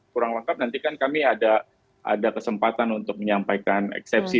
kurang lengkap nanti kan kami ada kesempatan untuk menyampaikan eksepsi